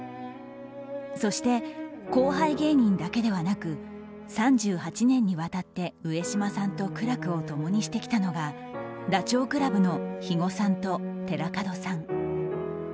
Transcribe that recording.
そして、後輩芸人だけではなく３８年にわたって上島さんと苦楽を共にしてきたのがダチョウ倶楽部の肥後さんと寺門さん。